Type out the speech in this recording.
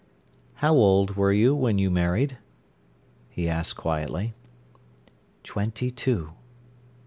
"How old were you when you married?" he asked quietly. "Twenty two."